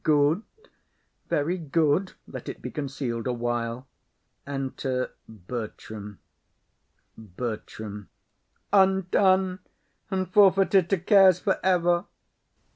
Good, very good; let it be conceal'd awhile. BERTRAM. Undone, and forfeited to cares for ever!